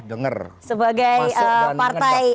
dengar sebagai partai